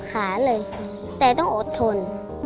ขาเลยแต่ต้องอดทน